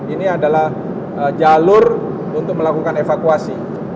ini adalah jalur untuk melakukan evakuasi